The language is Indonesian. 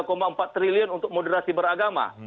rp empat triliun untuk moderasi beragama